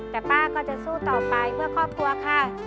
แต่ป้าก็จะซื้อต่อไปเพื่อข้อป่วง